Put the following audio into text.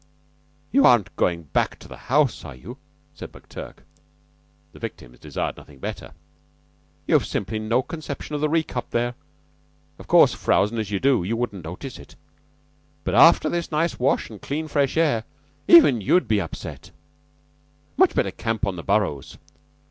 "You aren't going back to the house, are you?" said McTurk. The victims desired nothing better. "You've simply no conception of the reek up there. Of course, frowzin' as you do, you wouldn't notice it; but, after this nice wash and the clean, fresh air, even you'd be upset. 'Much better camp on the Burrows.